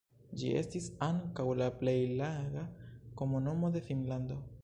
Ĝi estis ankaŭ la plej laga komunumo de Finnlando.